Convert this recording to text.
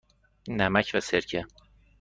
نمک و سرکه.